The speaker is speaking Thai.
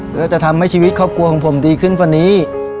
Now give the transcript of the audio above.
ก็จะทำให้ชีวิตครอบครัวของผมดีขึ้นฟะนี้